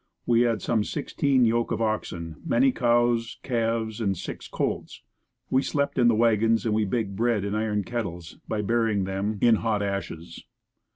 We had some sixteen yoke of oxen, many cows, calves, and six colts. We slept in the wagons and we baked bread in iron kettles by burying them in hot ashes.